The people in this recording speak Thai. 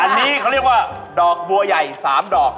อันนี้เขาเรียกว่าดอกบัวใหญ่๓ดอก